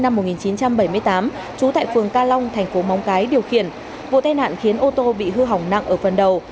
nguyễn xuân thịnh sinh năm một nghìn chín trăm bảy mươi tám trú tại phường ca long thành phố móng cái điều khiển vụ tai nạn khiến ô tô bị hư hỏng nặng ở phần đầu